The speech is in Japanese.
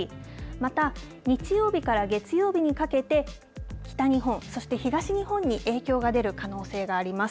また日曜日から月曜日にかけて北日本、そして東日本に影響が出る可能性があります。